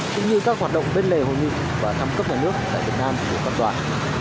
cũng như các hoạt động bên lề hội nghị và thăm cấp nhà nước tại việt nam của các tòa